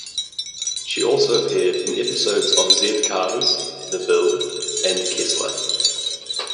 She also appeared in episodes of "Z-Cars", "The Bill" and "Kessler".